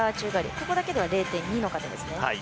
ここだけでは０．２の加点ですね。